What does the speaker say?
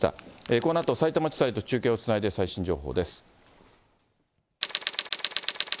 このあと、さいたま地裁と中継をつないで、最新情報です。